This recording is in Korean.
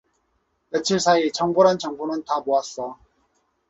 며칠 사이 정보란 정보는 다 모았어.